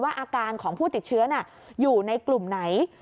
อาการของผู้ติดเชื้ออยู่ในกลุ่มไหน